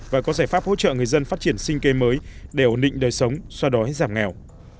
và có giải pháp hỗ trợ người dân phát triển sinh cây mới đều nịnh đời sống xoa đói giảm nghèo